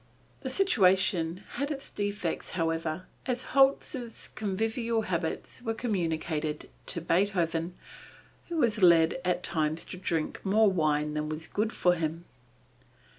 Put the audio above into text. The situation had its defects however, as Holz's convivial habits were communicated to Beethoven, who was led at times to drink more wine than was good for him.